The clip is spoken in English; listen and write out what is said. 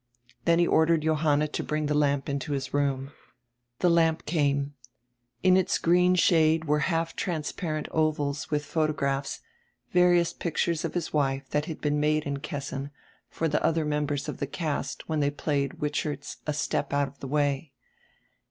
Then he ordered Johanna to bring die lamp into his roonr. The lamp came. In its green shade were half transparent ovals with photographs, various pic tures of his wife that had been made in Kessin for die other members of die cast when they played Wichert's A Step out of die Way.